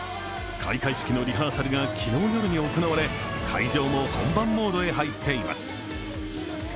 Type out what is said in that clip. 開会式のリハーサルが昨日夜に行われ会場も本番モードへ入っています。